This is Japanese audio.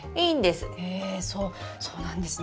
えそうそうなんですね。